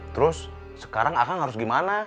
terus sekarang akag harus gimana